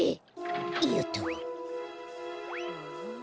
よっと。